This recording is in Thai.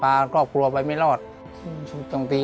และกับผู้จัดการที่เขาเป็นดูเรียนหนังสือ